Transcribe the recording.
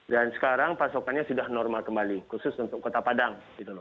dan sekarang pasokannya sudah normal kembali khusus untuk kota padang